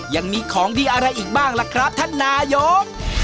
ยังมีของดีอะไรอีกบ้างล่ะครับท่านนายก